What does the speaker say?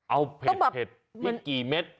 เอาเผ็ดไม่กี่เม็ด